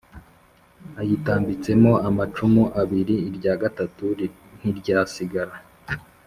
Ayitambitsemo amacumu abiri irya gatatu ntiryasigara